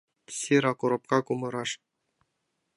Сира коробка кумыраш